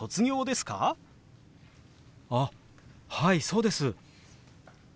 あっはいそうです！